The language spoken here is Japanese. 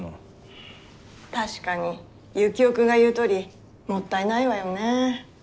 確かにユキオ君が言うとおりもったいないわよね。